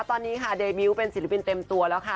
ตอนนี้ค่ะเดมิ้วเป็นศิลปินเต็มตัวแล้วค่ะ